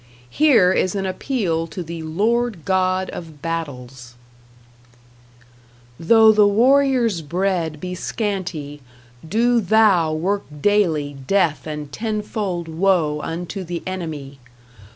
Here is an appeal to the Lord God of Battles: Though the warrior's bread be scanty, do Thou work daily death and tenfold woe unto the enemy.